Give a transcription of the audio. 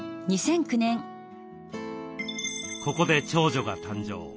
ここで長女が誕生。